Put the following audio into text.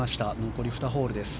残り２ホールです。